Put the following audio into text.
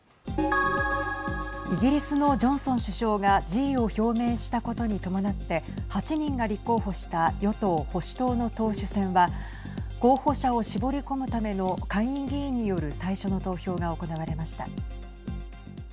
イギリスのジョンソン首相が辞意を表明したことに伴って８人が立候補した与党・保守党の党首選は候補者を絞り込むための下院議員による最初の投票が行われました。